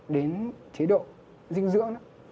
đến chế độ dinh dưỡng đó